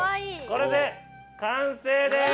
これで完成です！